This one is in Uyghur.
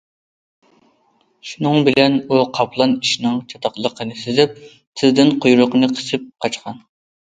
شۇنىڭ بىلەن بۇ قاپلان ئىشنىڭ چاتاقلىقىنى سېزىپ، تېزدىن قۇيرۇقىنى قىسىپ قاچقان.